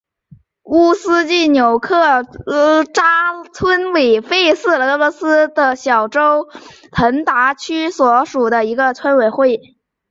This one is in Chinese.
乌斯季纽克扎村委员会是俄罗斯联邦阿穆尔州腾达区所属的一个村委员会。